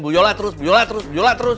goyola terus goyola terus goyola terus